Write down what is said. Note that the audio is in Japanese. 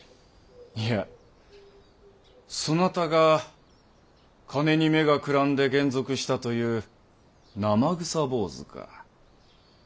いやそなたが金に目がくらんで還俗したという生臭坊主か。